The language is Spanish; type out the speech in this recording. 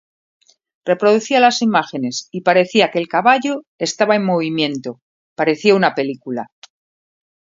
Reproducía las imágenes y parecía que el caballo estaba en movimiento, parecía una película.